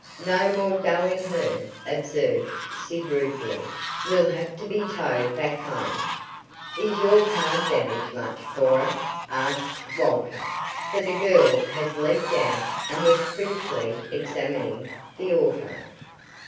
"No more go in her," observed Sid ruefully. "We'll have to be towed back home." "Is your car damaged much, Cora?" asked Walter, for the girl had leaped out and was critically examining the auto.